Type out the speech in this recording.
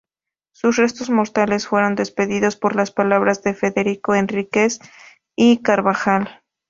Sus restos mortales fueron despedidos por las palabras de Federico Henríquez y Carvajal.